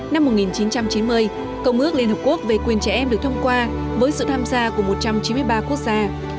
năm một nghìn chín trăm chín mươi công ước liên hợp quốc về quyền trẻ em được thông qua với sự tham gia của một trăm chín mươi ba quốc gia